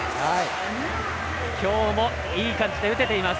きょうもいい感じで打てています。